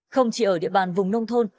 không chỉ ở địa bàn vùng nông thôn